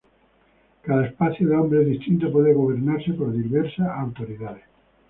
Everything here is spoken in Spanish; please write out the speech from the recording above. Cada espacio de nombres distinto puede gobernarse por diversas autoridades.